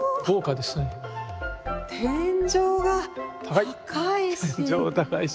天井が高いし。